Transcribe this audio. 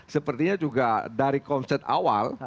sepertinya juga dari konsep awal